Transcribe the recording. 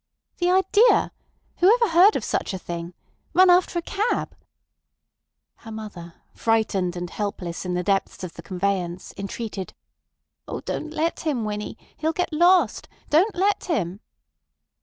"The idea! Whoever heard of such a thing! Run after a cab!" Her mother, frightened and helpless in the depths of the conveyance, entreated: "Oh, don't let him, Winnie. He'll get lost. Don't let him."